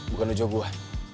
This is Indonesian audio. bukan dojo gue